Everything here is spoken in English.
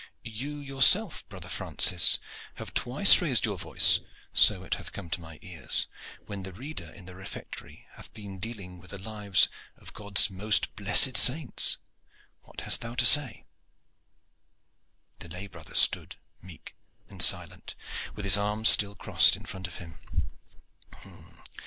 You yourself, brother Francis, have twice raised your voice, so it hath come to my ears, when the reader in the refectory hath been dealing with the lives of God's most blessed saints. What hast thou to say?" The lay brother stood meek and silent, with his arms still crossed in front of him.